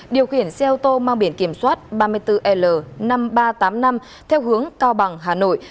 điều khiển xe ô tô mang biển kiểm soát ba mươi bốn l năm nghìn ba trăm tám mươi năm theo hướng cao bằng hà nội